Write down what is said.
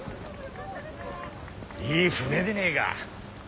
いい船でねえが。